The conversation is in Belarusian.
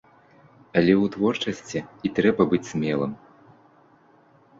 Але ў творчасці і трэба быць смелым!